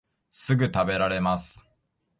すぐたべられます